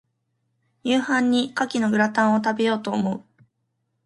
夕飯に牡蠣のグラタンを、食べようと思う。